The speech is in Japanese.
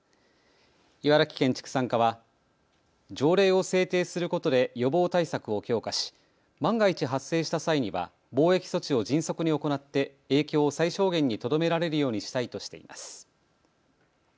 茨城県畜産課は条例を制定することで予防対策を強化し万が一発生した際には防疫措置を迅速に行って影響を最小限にとどめられるようにしたいとしています。